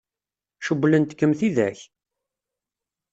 Cewwlent-kem tidak?